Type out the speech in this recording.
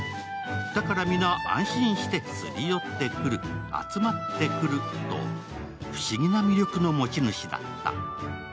だから皆、安心して擦り寄ってくる、集まってくると不思議な魅力の持ち主だった。